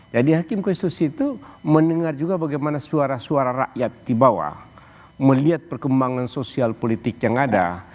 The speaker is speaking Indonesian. jadi hakim konstitusi itu mendengar juga bagaimana suara suara rakyat di bawah melihat perkembangan sosial politik yang ada